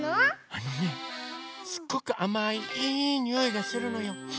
あのねすごくあまいいいにおいがするのよ。